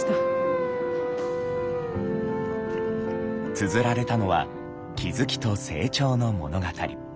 つづられたのは気付きと成長の物語。